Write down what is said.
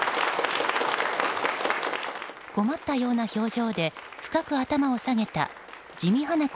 困ったような表情で深く頭を下げた自見英子